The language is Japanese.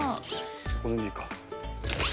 この辺でいいか。